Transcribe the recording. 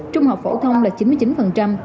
trung học phổ thông là chín mươi chín